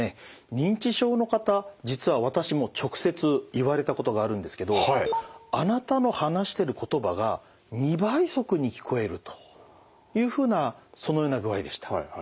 認知症の方実は私も直接言われたことがあるんですけど「あなたの話してる言葉が２倍速に聞こえる」というふうなそのような具合でした。